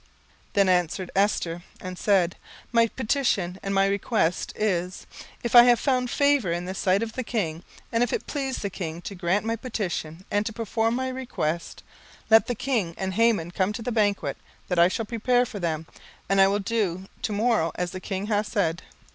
17:005:007 Then answered Esther, and said, My petition and my request is; 17:005:008 If I have found favour in the sight of the king, and if it please the king to grant my petition, and to perform my request, let the king and Haman come to the banquet that I shall prepare for them, and I will do to morrow as the king hath said.